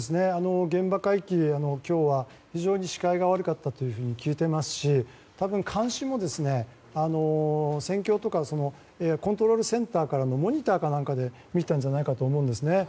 現場海域、今日は非常に視界が悪かったと聞いていますし多分、監視もコントロールセンターからのモニターか何かで見たんじゃないかと思うんですね。